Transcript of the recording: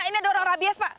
ini ada orang rabies pak